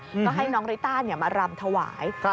ก็ให้น้องริต้ามารำถวาย